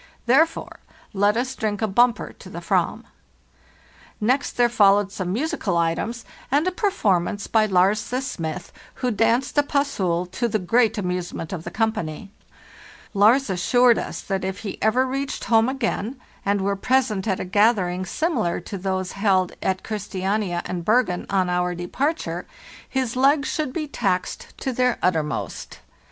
Therefore let us drink a bumper to the /ram! " Next there followed some musical items and a per WE PREPARE FOR THE SLEDGE EXPEDITION 27 formance by Lars, the smith, who danced a fas sez, to the great amusement of the company. Lars assured us that if he ever reached home again and were present at a gathering similar to those held at Christiania and Bergen on our departure, his legs should be taxed to their uttermost.